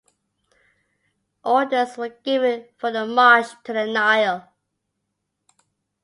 Orders were given for the march to the Nile.